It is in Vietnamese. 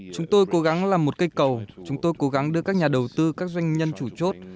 chúng tôi cố gắng làm một cây cầu chúng tôi cố gắng đưa các nhà đầu tư các doanh nhân chủ chốt